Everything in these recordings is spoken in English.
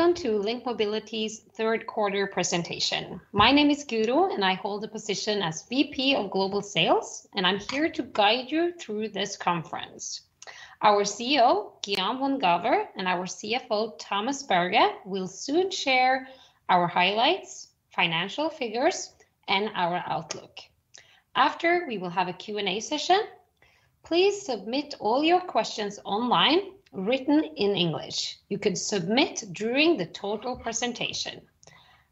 Welcome to LINK Mobility's third quarter presentation. My name is Guro, and I hold the position as VP of Global Sales, and I'm here to guide you through this conference. Our CEO, Guillaume Van Gaver, and our CFO, Thomas Berge, will soon share our highlights, financial figures, and our outlook. After, we will have a Q&A session. Please submit all your questions online, written in English. You can submit during the total presentation.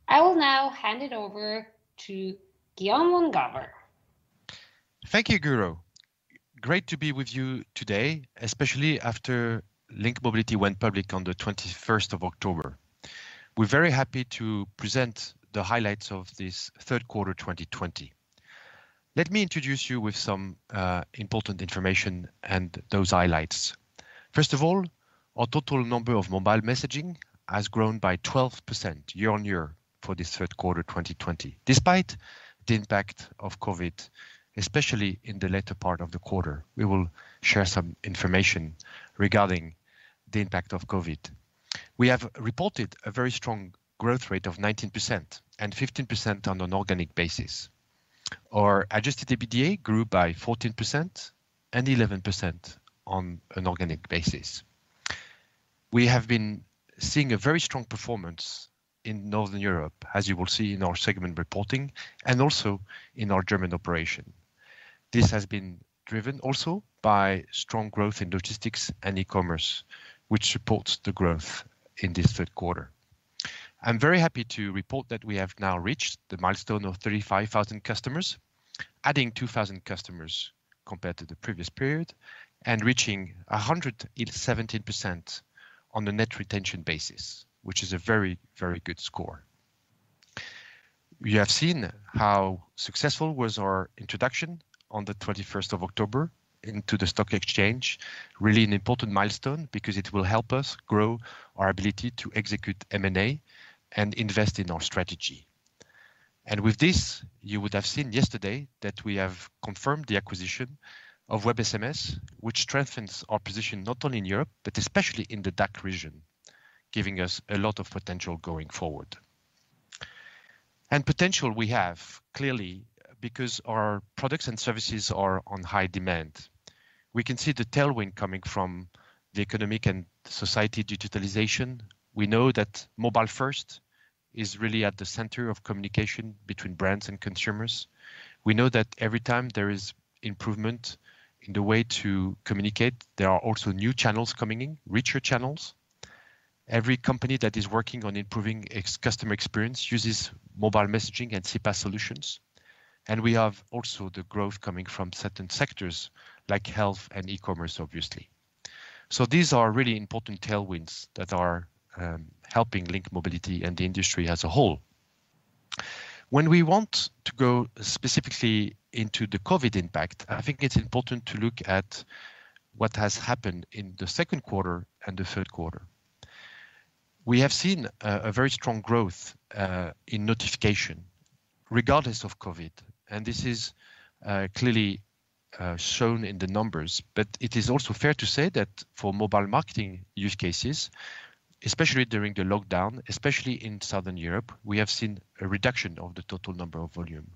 I will now hand it over to Guillaume Van Gaver. Thank you, Guro. Great to be with you today, especially after LINK Mobility went public on the twenty-first of October. We're very happy to present the highlights of this third quarter, twenty twenty. Let me introduce you with some important information and those highlights. First of all, our total number of mobile messaging has grown by 12% year on year for this third quarter, twenty twenty, despite the impact of COVID-19, especially in the latter part of the quarter. We will share some information regarding the impact of COVID-19. We have reported a very strong growth rate of 19% and 15% on an organic basis. Our adjusted EBITDA grew by 14% and 11% on an organic basis. We have been seeing a very strong performance in Northern Europe, as you will see in our segment reporting, and also in our German operation. This has been driven also by strong growth in logistics and e-commerce, which supports the growth in this third quarter. I'm very happy to report that we have now reached the milestone of 35,000 customers, adding 2,000 customers compared to the previous period, and reaching 117% on the net retention basis, which is a very, very good score. We have seen how successful was our introduction on the twenty-first of October into the stock exchange. Really an important milestone because it will help us grow our ability to execute M&A and invest in our strategy. With this, you would have seen yesterday that we have confirmed the acquisition of WebSMS, which strengthens our position not only in Europe, but especially in the DACH region, giving us a lot of potential going forward. Potential we have, clearly, because our products and services are on high demand. We can see the tailwind coming from the economic and society digitalization. We know that mobile first is really at the center of communication between brands and consumers. We know that every time there is improvement in the way to communicate, there are also new channels coming in, richer channels. Every company that is working on improving customer experience uses mobile messaging and CPaaS solutions, and we have also the growth coming from certain sectors like health and e-commerce, obviously. These are really important tailwinds that are helping LINK Mobility and the industry as a whole. When we want to go specifically into the COVID impact, I think it's important to look at what has happened in the second quarter and the third quarter. We have seen a very strong growth in notification regardless of COVID-19, and this is clearly shown in the numbers. But it is also fair to say that for mobile marketing use cases, especially during the lockdown, especially in Southern Europe, we have seen a reduction of the total number of volume.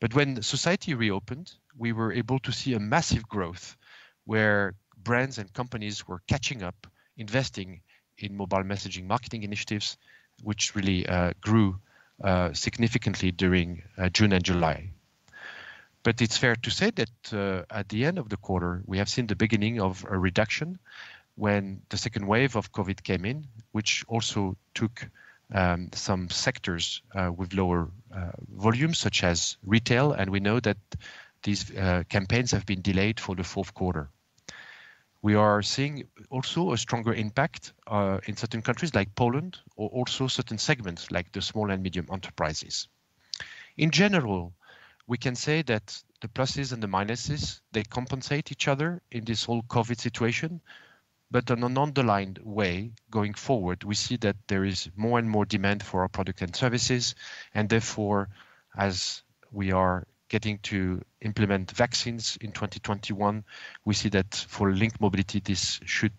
But when society reopened, we were able to see a massive growth, where brands and companies were catching up, investing in mobile messaging marketing initiatives, which really grew significantly during June and July. But it's fair to say that at the end of the quarter, we have seen the beginning of a reduction when the second wave of COVID-19 came in, which also took some sectors with lower volumes, such as retail, and we know that these campaigns have been delayed for the fourth quarter. We are seeing also a stronger impact in certain countries like Poland, or also certain segments like the small and medium enterprises. In general, we can say that the pluses and the minuses, they compensate each other in this whole COVID-19 situation, but on an underlying way, going forward, we see that there is more and more demand for our product and services, and therefore, as we are getting to implement vaccines in twenty twenty-one, we see that for LINK Mobility, this should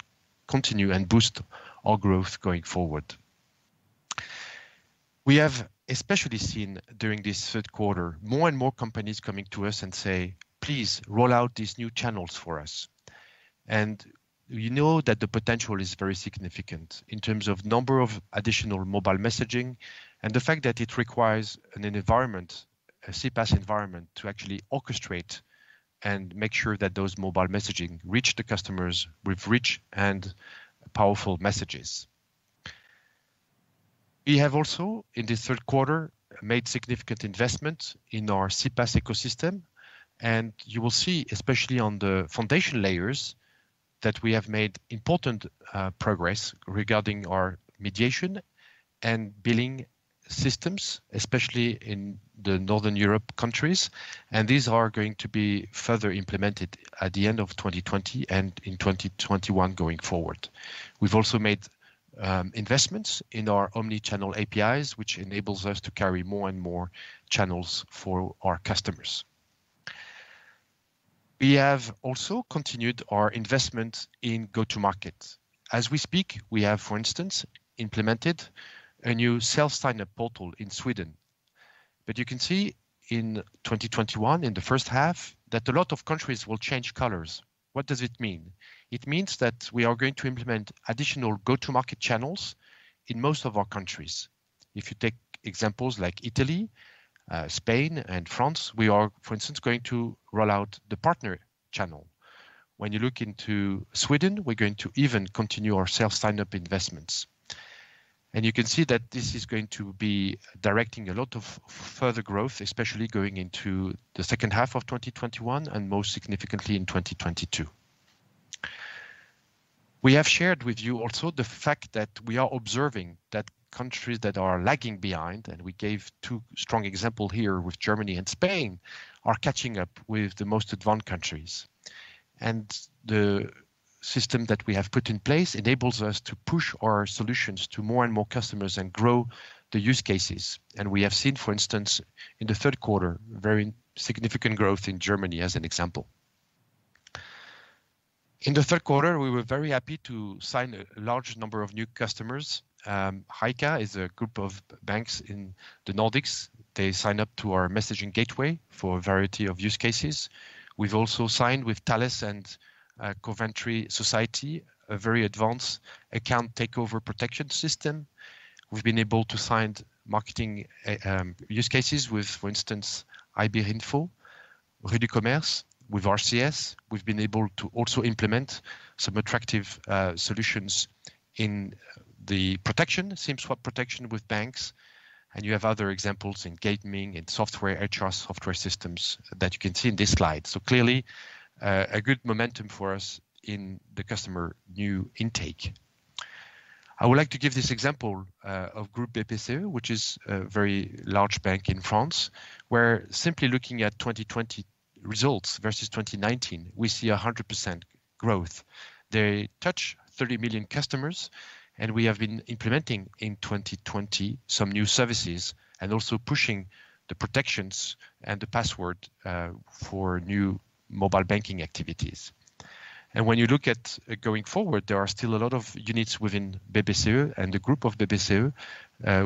continue and boost our growth going forward. We have especially seen during this third quarter, more and more companies coming to us and say, "Please, roll out these new channels for us." We know that the potential is very significant in terms of number of additional mobile messaging and the fact that it requires an environment, a CPaaS environment, to actually orchestrate and make sure that those mobile messaging reach the customers with rich and powerful messages. We have also, in this third quarter, made significant investments in our CPaaS ecosystem, and you will see, especially on the foundation layers, that we have made important progress regarding our mediation and billing systems, especially in the Northern Europe countries, and these are going to be further implemented at the end of 2020 and in 2021 going forward. We've also made investments in our omni-channel APIs, which enables us to carry more and more channels for our customers. We have also continued our investment in go-to-market. As we speak, we have, for instance, implemented a new self-signup portal in Sweden. But you can see in twenty twenty-one, in the first half, that a lot of countries will change colors. What does it mean? It means that we are going to implement additional go-to-market channels in most of our countries. If you take examples like Italy, Spain, and France, we are, for instance, going to roll out the partner channel. When you look into Sweden, we're going to even continue our self-signup investments. And you can see that this is going to be directing a lot of further growth, especially going into the second half of twenty twenty-one, and most significantly in twenty twenty-two. We have shared with you also the fact that we are observing that countries that are lagging behind, and we gave two strong example here with Germany and Spain, are catching up with the most advanced countries. And the system that we have put in place enables us to push our solutions to more and more customers and grow the use cases. And we have seen, for instance, in the third quarter, very significant growth in Germany as an example. In the third quarter, we were very happy to sign a large number of new customers. Eika is a group of banks in the Nordics. They sign up to our messaging gateway for a variety of use cases. We've also signed with Thales and Coventry Building Society, a very advanced account takeover protection system. We've been able to sign marketing use cases with, for instance, INNO, Rue du Commerce. With RCS, we've been able to also implement some attractive solutions in the protection, SIM swap protection with banks, and you have other examples in gaming, in software, HR software systems that you can see in this slide. Clearly, a good momentum for us in the customer new intake. I would like to give this example of Groupe BPCE, which is a very large bank in France, where simply looking at 2020 results versus 2019, we see 100% growth. They touch 30 million customers, and we have been implementing in 2020, some new services and also pushing the protections and the password for new mobile banking activities. And when you look at going forward, there are still a lot of units within BPCE and the group of BPCE,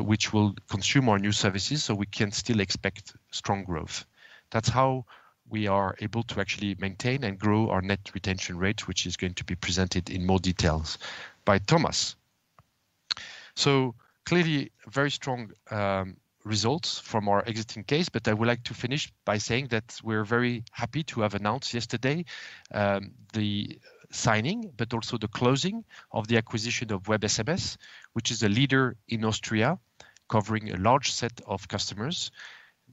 which will consume our new services, so we can still expect strong growth. That's how we are able to actually maintain and grow our net retention rate, which is going to be presented in more details by Thomas. So clearly, very strong results from our existing case, but I would like to finish by saying that we're very happy to have announced yesterday, the signing, but also the closing of the acquisition of WebSMS, which is a leader in Austria, covering a large set of customers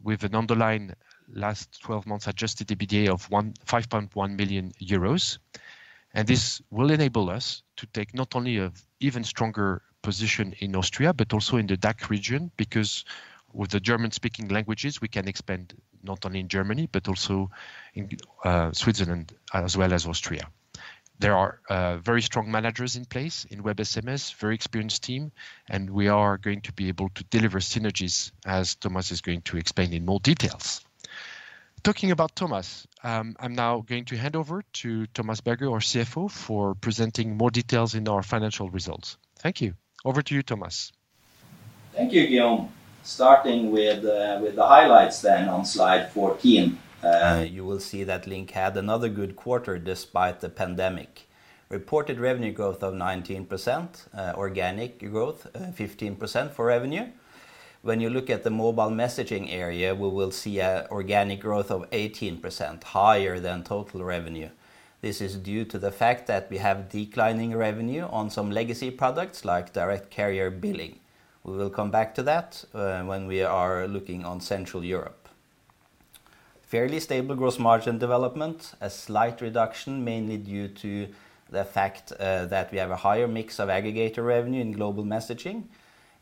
with an underlying last twelve months Adjusted EBITDA of 15.1 million euros. And this will enable us to take not only a even stronger position in Austria, but also in the DACH region, because with the German-speaking languages, we can expand not only in Germany, but also in, Switzerland, as well as Austria. There are, very strong managers in place in WebSMS, very experienced team, and we are going to be able to deliver synergies, as Thomas is going to explain in more details. Talking about Thomas, I'm now going to hand over to Thomas Berge, our CFO, for presenting more details in our financial results. Thank you. Over to you, Thomas. Thank you, Guillaume. Starting with the highlights then on slide fourteen, you will see that LINK had another good quarter despite the pandemic. Reported revenue growth of 19%, organic growth, 15% for revenue. When you look at the mobile messaging area, we will see a organic growth of 18%, higher than total revenue. This is due to the fact that we have declining revenue on some legacy products, like direct carrier billing. We will come back to that, when we are looking on Central Europe. Fairly stable gross margin development, a slight reduction, mainly due to the fact, that we have a higher mix of aggregator revenue in Global Messaging.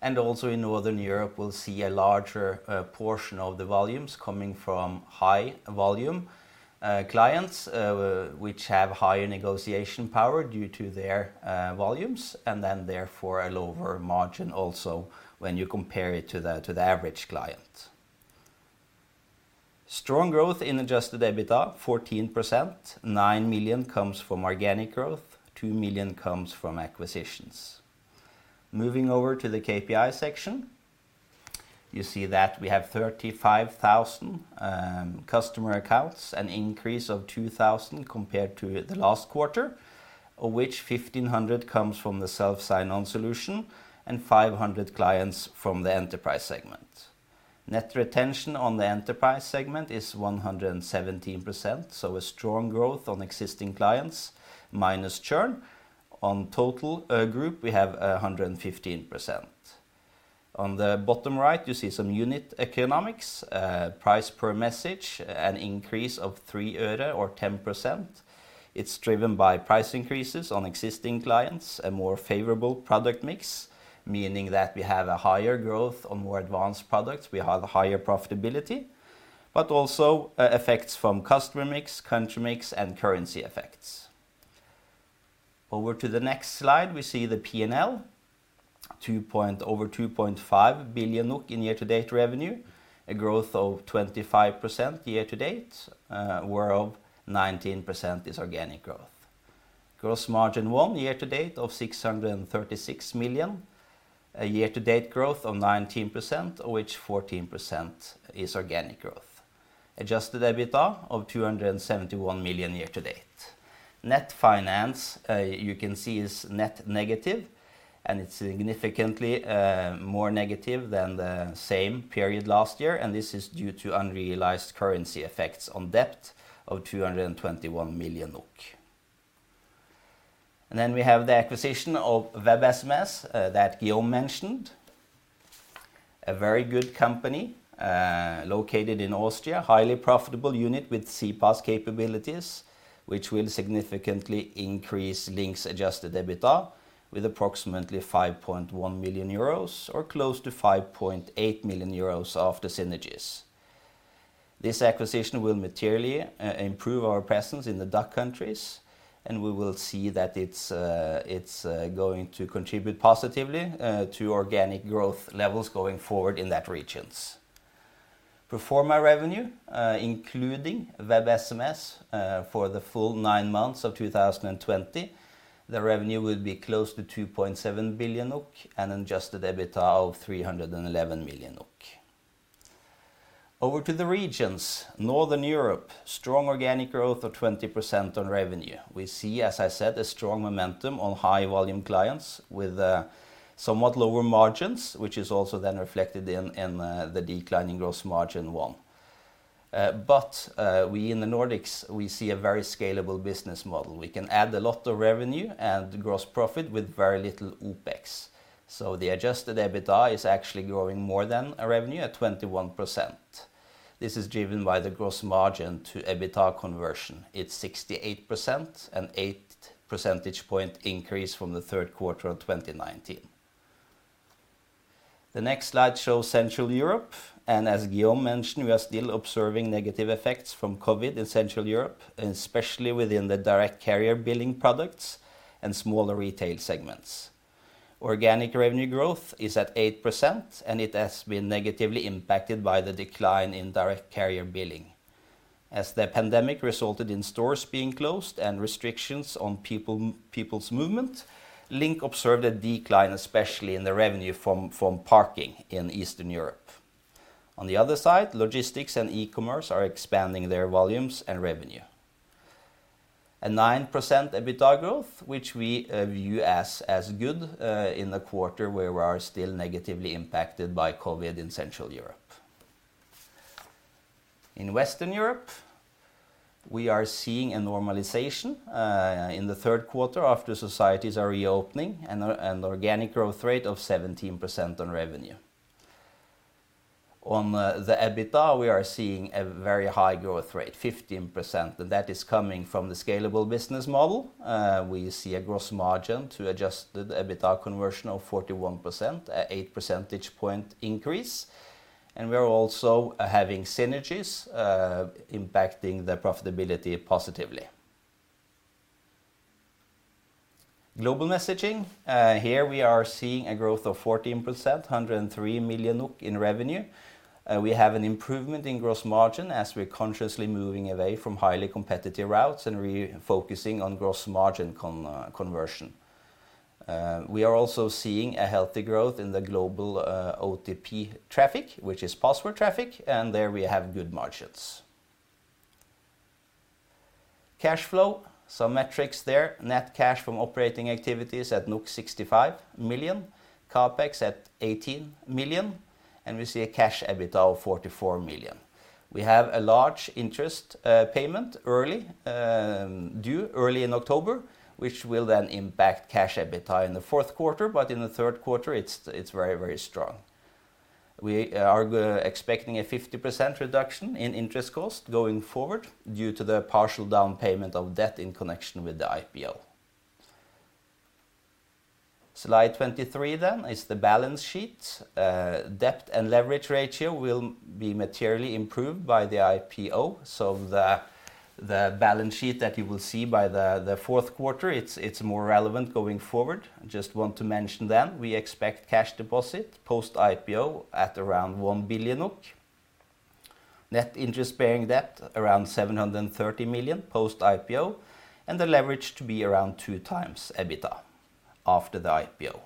And also in Northern Europe, we'll see a larger portion of the volumes coming from high-volume clients, which have higher negotiation power due to their volumes, and then therefore, a lower margin also when you compare it to the average client. Strong growth in Adjusted EBITDA, 14%. 9 million comes from organic growth, 2 million comes from acquisitions. Moving over to the KPI section, you see that we have 35,000 customer accounts, an increase of 2,000 compared to the last quarter, of which 1,500 comes from the self-signup solution and 500 clients from the enterprise segment. Net retention on the enterprise segment is 117%, so a strong growth on existing clients minus churn. On total group, we have 115%. On the bottom right, you see some unit economics, price per message, an increase of 3 øre or 10%. It's driven by price increases on existing clients, a more favorable product mix, meaning that we have a higher growth on more advanced products. We have higher profitability, but also, effects from customer mix, country mix, and currency effects. Over to the next slide, we see the P&L, over 2.5 billion NOK in year-to-date revenue, a growth of 25% year to date, whereof 19% is organic growth. Gross margin year to date of 636 million NOK. A year-to-date growth of 19%, of which 14% is organic growth. Adjusted EBITDA of 271 million NOK year to date. Net finance, you can see is net negative, and it's significantly more negative than the same period last year, and this is due to unrealized currency effects on debt of 221 million NOK. Then we have the acquisition of WebSMS that Guillaume mentioned. A very good company located in Austria. Highly profitable unit with CPaaS capabilities, which will significantly increase LINK's adjusted EBITDA with approximately 5.1 million euros or close to 5.8 million euros after synergies. This acquisition will materially improve our presence in the DACH countries, and we will see that it's going to contribute positively to organic growth levels going forward in that regions. Pro forma revenue, including WebSMS, for the full nine months of 2020, the revenue will be close to 2.7 billion and adjusted EBITDA of 311 million. Over to the regions. Northern Europe, strong organic growth of 20% on revenue. We see, as I said, a strong momentum on high-volume clients with, somewhat lower margins, which is also then reflected in the declining gross margin, but we in the Nordics, we see a very scalable business model. We can add a lot of revenue and gross profit with very little OpEx. So the adjusted EBITDA is actually growing more than our revenue at 21%. This is driven by the gross margin to EBITDA conversion. It's 68%, an eight percentage point increase from the third quarter of 2019. The next slide shows Central Europe, and as Guillaume mentioned, we are still observing negative effects from COVID in Central Europe, especially within the direct carrier billing products and smaller retail segments. Organic revenue growth is at 8%, and it has been negatively impacted by the decline in direct carrier billing. As the pandemic resulted in stores being closed and restrictions on people, people's movement, LINK observed a decline, especially in the revenue from parking in Eastern Europe. On the other side, logistics and e-commerce are expanding their volumes and revenue. A 9% EBITDA growth, which we view as good in the quarter, where we are still negatively impacted by COVID in Central Europe. In Western Europe, we are seeing a normalization in the third quarter after societies are reopening and an organic growth rate of 17% on revenue. On the EBITDA, we are seeing a very high growth rate, 15%, and that is coming from the scalable business model. We see a gross margin to adjusted EBITDA conversion of 41%, an eight percentage point increase, and we are also having synergies impacting the profitability positively. Global Messaging. Here we are seeing a growth of 14%, 103 million NOK in revenue. We have an improvement in gross margin as we're consciously moving away from highly competitive routes and re-focusing on gross margin conversion. We are also seeing a healthy growth in the global OTP traffic, which is password traffic, and there we have good margins. Cash flow, some metrics there. Net cash from operating activities at 65 million, CapEx at 18 million, and we see a cash EBITDA of 44 million. We have a large interest payment due early in October, which will then impact cash EBITDA in the fourth quarter, but in the third quarter, it's very, very strong. We are expecting a 50% reduction in interest costs going forward due to the partial down payment of debt in connection with the IPO. Slide 23 then is the balance sheet. Debt and leverage ratio will be materially improved by the IPO, so the balance sheet that you will see by the fourth quarter, it's more relevant going forward. Just want to mention then, we expect cash deposit post-IPO at around 1 billion NOK. Net interest-bearing debt, around 730 million NOK post-IPO, and the leverage to be around two times EBITDA after the IPO.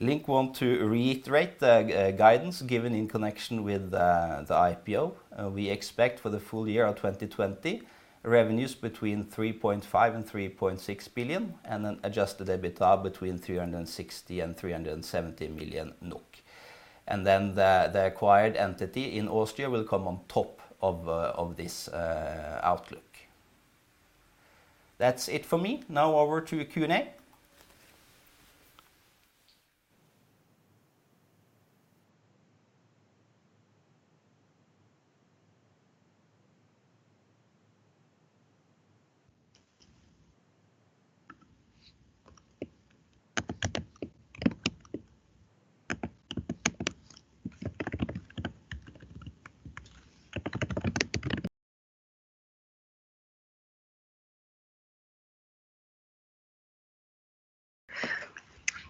We want to reiterate the guidance given in connection with the IPO. We expect for the full year of 2020, revenues between 3.5 billion and 3.6 billion, and an adjusted EBITDA between 360 million and 370 million NOK. Then the acquired entity in Austria will come on top of this outlook. That's it for me. Now over to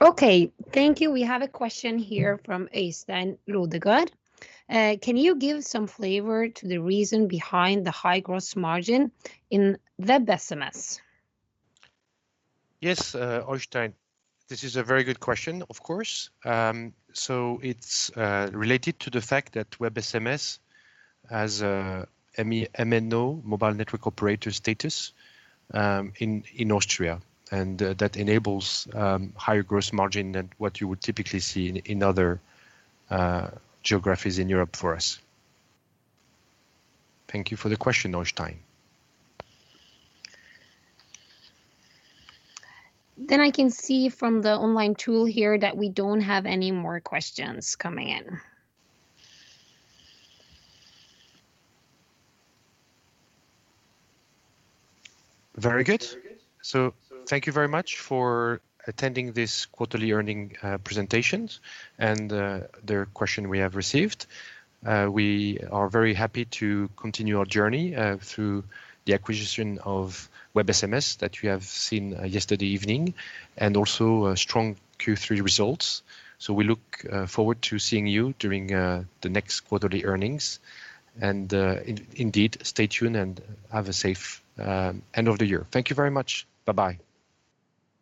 Q&A. Okay, thank you. We have a question here from Øystein Lodgaard. "Can you give some flavor to the reason behind the high gross margin in WebSMS? Yes, Øystein, this is a very good question, of course. So it's related to the fact that WebSMS has a MNO, mobile network operator, status, in Austria, and that enables higher gross margin than what you would typically see in other geographies in Europe for us. Thank you for the question, Øystein. Then I can see from the online tool here that we don't have any more questions coming in. Very good. So thank you very much for attending this quarterly earning presentations and the questions we have received. We are very happy to continue our journey through the acquisition of WebSMS that you have seen yesterday evening, and also a strong Q3 results. So we look forward to seeing you during the next quarterly earnings. And indeed, stay tuned and have a safe end of the year. Thank you very much. Bye-bye.